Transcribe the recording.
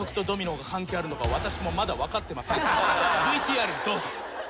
ＶＴＲどうぞ。